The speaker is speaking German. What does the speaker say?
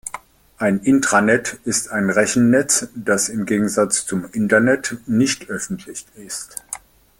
Ein Intranet ist ein Rechnernetz, das im Gegensatz zum Internet nicht öffentlich ist.